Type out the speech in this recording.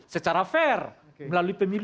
secara fair melalui pemilu